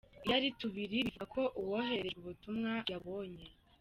Iyo ari tubiri √√ bivuga ko uwohererejwe ubutumwa yabubonye, .